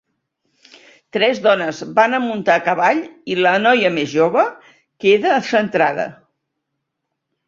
Tres dones van a muntar a cavall i la noia més jova queda centrada.